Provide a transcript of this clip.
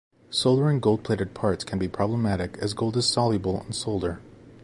Soldering gold-plated parts can be problematic as gold is soluble in solder.